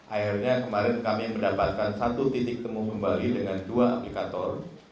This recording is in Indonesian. akhirnya kemarin kami mendapatkan satu titik temu kembali dengan dua aplikator